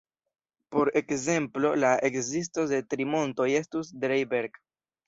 Por ekzemplo, la ekzisto de tri montoj estus Drei-Berg-.